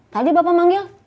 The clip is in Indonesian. tadi bapak manggil